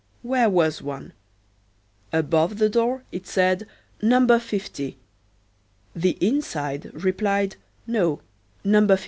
Where was one? Above the door it said, "Number 50"; the inside replied, "no, Number 52."